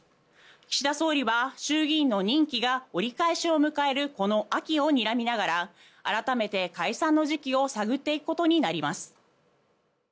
岸田総理は衆議院の任期が折り返しを迎えるこの秋をにらみながら改めて解散の時期を探っていくことになります。